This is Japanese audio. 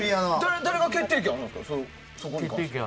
誰が決定権あるんですか？